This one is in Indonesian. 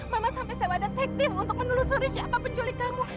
mama sampai sewa detektif untuk menelusuri siapa penculik kamu